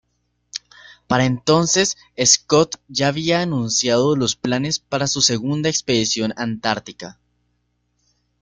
Para entonces Scott ya había anunciado los planes para su segunda expedición Antártica.